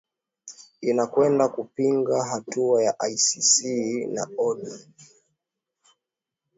inakwenda kupinga hatua ya icc na odm wao kwa upande wao wanasema nini